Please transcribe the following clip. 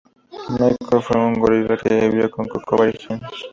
Michael fue un gorila que vivió con Koko varios años.